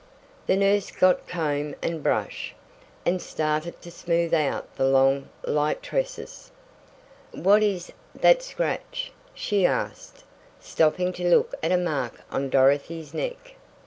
The nurse got comb and brush, and started to smooth out the long, light tresses. "What is that scratch?" she asked, stopping to look at a mark on Dorothy's neck.